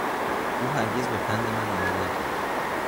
او هرگز به پند من عمل نکرد.